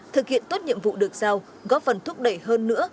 thực hiện tốt nhiệm vụ được giao góp phần thúc đẩy hơn nữa